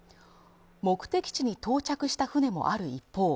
目的地に到着した船もある一方